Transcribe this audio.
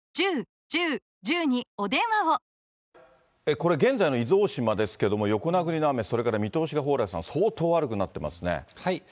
これ、現在の伊豆大島ですけれども、横殴りの雨、それから見通しが蓬莱さん、相当悪くなってますね。